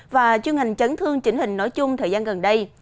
và chương hình chấn thương chỉnh hình nói chung thời gian gần đây